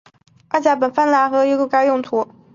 二甲苯蓝和溴酚蓝也常被用于该用途。